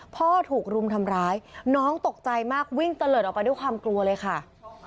พ่อถูกรุมทำร้ายน้องตกใจมากวิ่งตะเลิศออกไปด้วยความกลัวเลยค่ะ